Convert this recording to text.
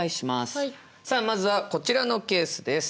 さあまずはこちらのケースです。